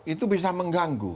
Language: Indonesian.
itu bisa mengganggu